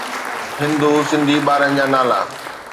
هِندُو سنڌي ٻارن جا نالا